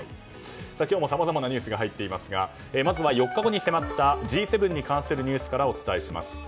今日もさまざまなニュースが入っていますがまずは４日後に迫ったＧ７に関するニュースからお伝えします。